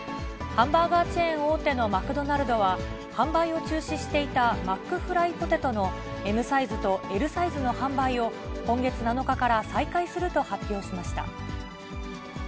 ハンバーガーチェーン大手のマクドナルドは、販売を中止していたマックフライポテトのＭサイズとＬサイズの販売を、今月７日から再開すると発表しました。